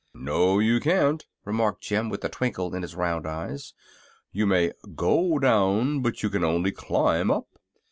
"No you can't," remarked Jim, with a twinkle in his round eyes. "You may go down, but you can only climb up."